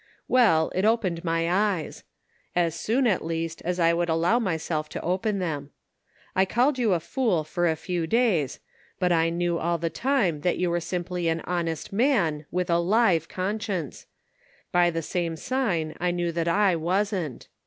Well, it opened my eyes. As soon, at least, as I would allow myself to open them. I called you a fool for a few days, but I knew all the time that you were simply an honest man with a live conscience ; by the same sign I knew that I wasn't.